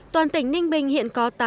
toàn tỉnh ninh bình hiện có ba lĩnh vực